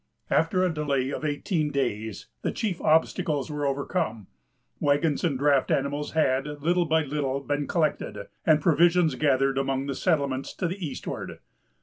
After a delay of eighteen days, the chief obstacles were overcome. Wagons and draught animals had, little by little, been collected, and provisions gathered among the settlements to the eastward.